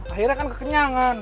akhirnya kan kekenyangan